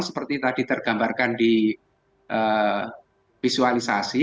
seperti tadi tergambarkan di visualisasi